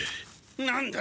何だ？